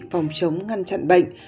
phòng chống ngăn chặn bệnh